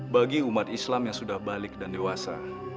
bagi umat islam yang sudah balik dan dewasa